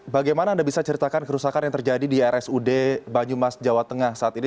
bagaimana anda bisa ceritakan kerusakan yang terjadi di rsud banyumas jawa tengah saat ini